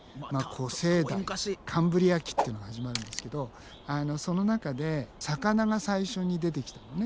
古生代カンブリア紀っていうのが始まるんですけどその中で魚が最初に出てきたのね。